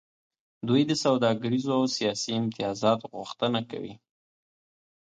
دوی د سوداګریزو او سیاسي امتیازاتو غوښتنه کوي